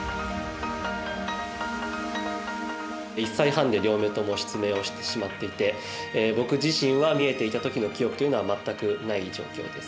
１歳半で両目とも失明をしてしまっていて僕自身は見えていたときの記憶というのは全くない状況です。